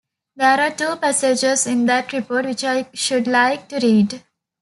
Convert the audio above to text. There are two passages in that report which I should like to read.